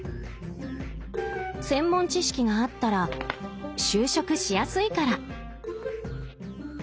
専門知識があったら就職しやすいから。